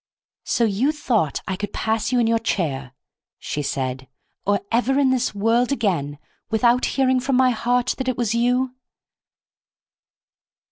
"So you thought I could pass you in your chair," she said, "or ever in this world again, without hearing from my heart that it was you!"